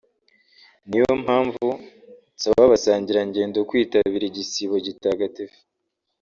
niyo mpamvu nsaba abasangirangendo kwitabira igisibo gitagatifu